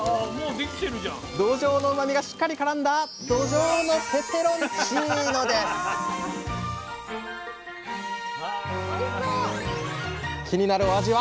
どじょうのうまみがしっかりからんだ「どじょうのペペロンチーノ」ですうわすごい！